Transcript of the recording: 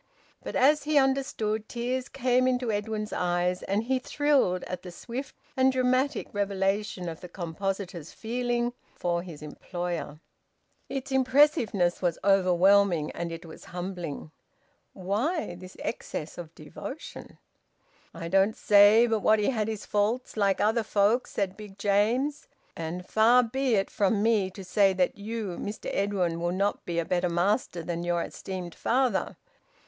But as he understood, tears came into Edwin's eyes, and he thrilled at the swift and dramatic revelation of the compositor's feeling for his employer. Its impressiveness was overwhelming and it was humbling. Why this excess of devotion? "I don't say but what he had his faults like other folk," said Big James. "And far be it from me to say that you, Mr Edwin, will not be a better master than your esteemed father.